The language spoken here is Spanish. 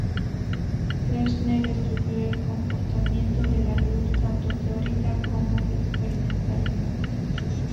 Fresnel estudió el comportamiento de la luz tanto teórica como experimentalmente.